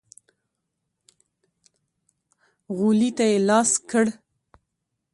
غولي ته يې لاس کړ.